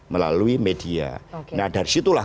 melalui media nah dari situlah